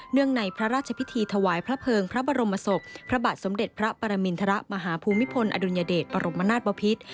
ในพระราชพิธีถวายพระเภิงพระบรมศพพระบาทสมเด็จพระปรมินทรมาฮภูมิพลอดุลยเดชบรมนาศบพิษ